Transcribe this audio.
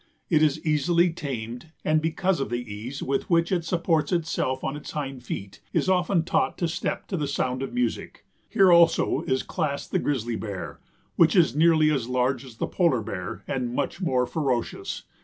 It is easily tamed and because of the ease with which it supports itself on its hind feet it is often taught to step to the sound of music. Here also is classed the Grizzly Bear, which is nearly as large as the Polar Bear and much more ferocious.